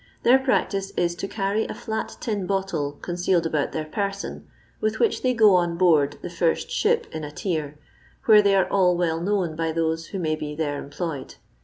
Their practice is to carry a flat tin bottle concealed about their per son, with which they go on board the first ship in a tier, where they are well known by those who may be there employed.